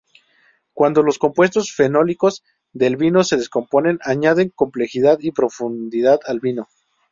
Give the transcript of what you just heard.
Cuando los compuestos fenólicos del vino se descomponen, añaden complejidad y profundidad al vino.